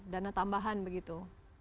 dana tambahan begitu